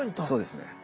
そうですね。